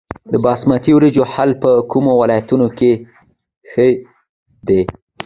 د باسمتي وریجو حاصل په کومو ولایتونو کې ښه دی؟